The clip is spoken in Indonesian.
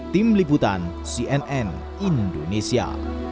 tim liputan cnn indonesia